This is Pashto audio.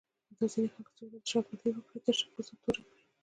دا ځینې خلک څو ورځې شاگردي وکړي، تشه پوزه توره کړي